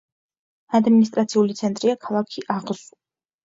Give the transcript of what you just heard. ადმინისტრაციული ცენტრია ქალაქი აღსუ.